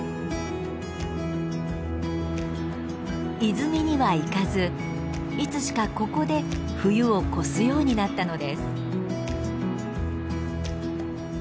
泉には行かずいつしかここで冬を越すようになったのです。